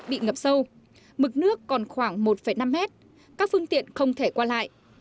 bị ngập sâu mực nước còn khoảng một năm mét các phương tiện không thể qua lại